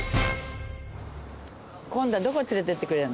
今度はどこ連れてってくれんの？